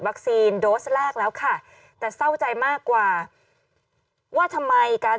โดสแรกแล้วค่ะแต่เศร้าใจมากกว่าว่าทำไมการ